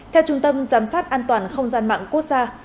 theo trung tâm giám sát an toàn không gian mạng quốc gia